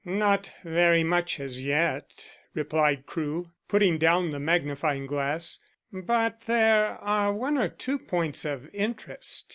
"Not very much as yet," replied Crewe, putting down the magnifying glass, "but there are one or two points of interest.